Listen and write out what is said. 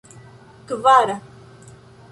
kvara